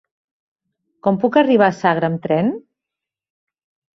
Com puc arribar a Sagra amb tren?